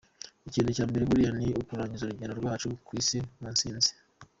Ikintu cya mbere buriya ni ukurangiza urugendo rwacu ku Isi mu ntsinzi”.